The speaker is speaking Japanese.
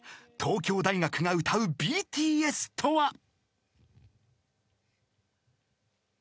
［東京大学が歌うＢＴＳとは］